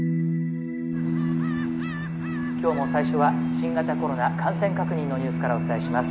「今日も最初は新型コロナ感染確認のニュースからお伝えします。